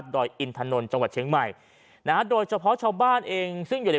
อยอินถนนจังหวัดเชียงใหม่นะฮะโดยเฉพาะชาวบ้านเองซึ่งอยู่ใน